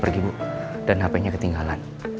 pergi bu dan hpnya ketinggalan